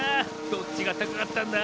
どっちがたかかったんだ？